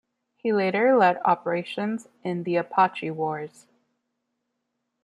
He later led operations in the Apache Wars.